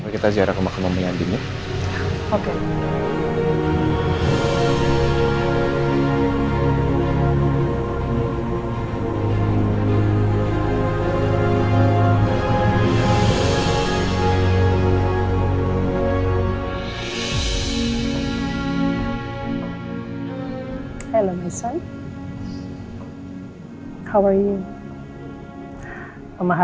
kita sejarah ke makan mama nyadinya